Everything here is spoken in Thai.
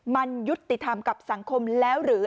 มันยุติธรรมกับสังคมแล้วหรือ